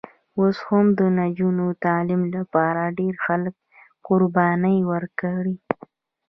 اوس هم د نجونو د تعلیم لپاره ډېر خلک قربانۍ ورکړي.